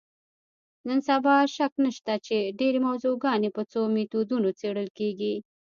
نن سبا شک نشته چې ډېری موضوعګانې په څو میتودونو څېړل کېږي.